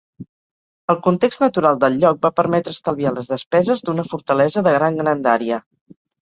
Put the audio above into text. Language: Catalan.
El context natural del lloc va permetre estalviar les despeses d'una fortalesa de gran grandària.